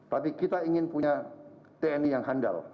tapi kita ingin punya tni yang handal